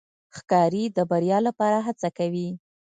ښکاري د بریا لپاره هڅه کوي.